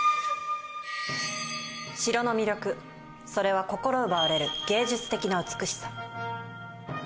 城の魅力、それは心奪われる芸術的な美しさ。